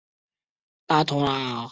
拉庞乌斯德塞尔农人口变化图示